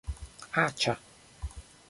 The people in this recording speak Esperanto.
-Aĉa-